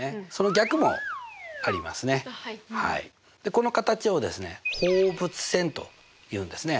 この形をですね放物線というんですね。